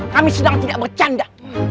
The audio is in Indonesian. kami sedang tidak bercanda